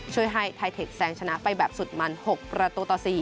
ช่วยให้ไทเทคแซงชนะไปแบบสุดมัน๖ประตูต่อ๔